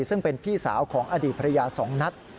ซึ่งเป็นพี่สาวของอดีตภรรยา๒นัด